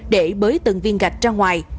để bới từng viên gạch ra ngoài